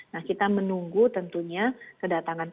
nah kita menunggu tentunya kedatangan